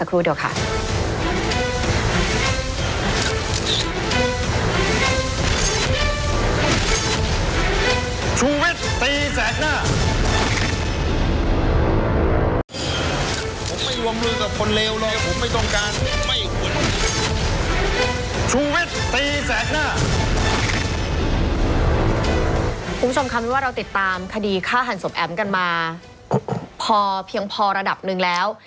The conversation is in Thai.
คุณผู้ชมค่ะเป็นว่าเราติดตามคดีฆ่าหันศพแอ๋มกันมาพอเพียงพอระดับหนึ่งแล้ว